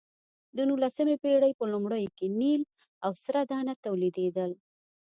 د نولسمې پېړۍ په لومړیو کې نیل او سره دانه تولیدېدل.